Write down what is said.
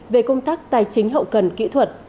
về công tác tài chính hậu cần kỹ thuật